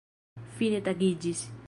Fine tagiĝis.